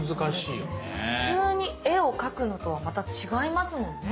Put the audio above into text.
普通に絵を描くのとはまた違いますもんね。